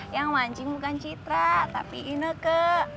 yang mancing bukan citra tapi ineke